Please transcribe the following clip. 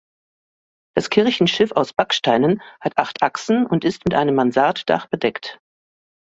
Das Kirchenschiff aus Backsteinen hat acht Achsen und ist mit einem Mansarddach bedeckt.